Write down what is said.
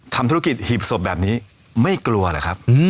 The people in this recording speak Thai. ทำธุรกิจหีบศพแบบนี้ไม่กลัวเหรอครับ